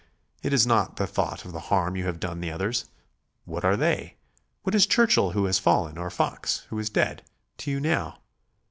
It is not the thought of the harm you have done the others.... What are they what is Churchill who has fallen or Fox who is dead to you now?